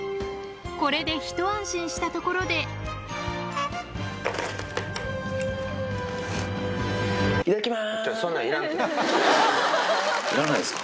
これでひと安心したところでいらないですか。